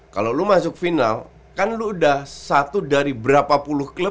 kalo lu masuk final kan lu udah satu dari berapa puluh klub